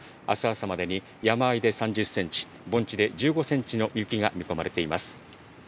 あす朝までに山あいで３０センチ、盆地で１５センチの雪が見込まれています。